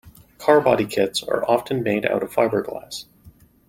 Car body kits are often made out of fiberglass.